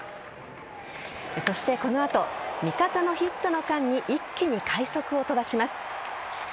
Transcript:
そして、この後味方のヒットの間に一気に快足を飛ばします。